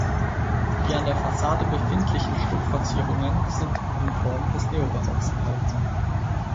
Die an der Fassade befindlichen Stuckverzierungen sind in Formen des Neobarocks gehalten.